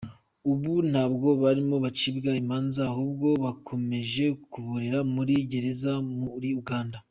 Ubu ntabwo barimo bacirwa imanza ahubwo bakomeje baborera muri za gereza muri Uganda.